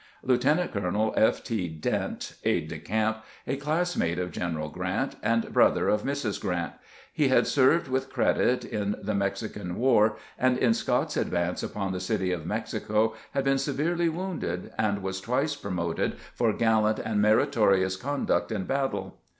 Lieutenant colonel F. T. Dent, aide de camp, a class mate of General Grant, and brother of Mrs. Grant. He had served with credit in the Mexican war, and in Scott's advance upon the city of Mexico had been severely wounded, and was twice promoted for gallant and meritorious conduct in battle.